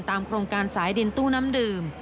โครงการสายดินตู้น้ำดื่ม